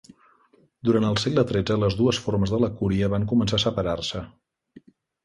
Durant el segle XIII les dues formes de la "cúria" van començar a separar-se.